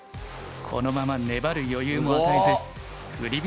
このまま粘る余裕も与えず振り